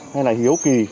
hay là hiếu kỳ